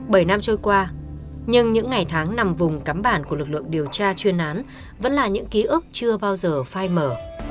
bảy năm trôi qua nhưng những ngày tháng nằm vùng cắm bản của lực lượng điều tra chuyên án vẫn là những ký ức chưa bao giờ phai mở